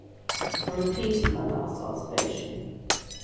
I repeated my last observation.